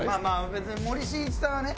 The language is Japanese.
別に森進一さんはね。